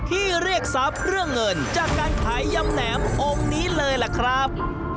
เรียกทรัพย์เรื่องเงินจากการขายยำแหนมองค์นี้เลยล่ะครับ